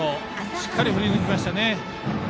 しっかり振り抜きましたね。